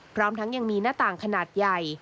พร้อมทั้งยังมีหน้าต่างขนาดใหญ่